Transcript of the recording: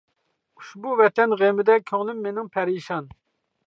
ئۇشبۇ ۋەتەن غېمىدە كۆڭلۈم مېنىڭ پەرىشان.